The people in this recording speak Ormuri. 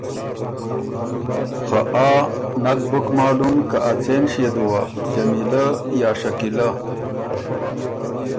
خه آ نک بُک معلوم که ا څېن ݭيې دُوه، جمیلۀ یا شکیلۀ؟